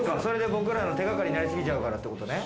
僕らの手掛かりになりすぎちゃうからってことね。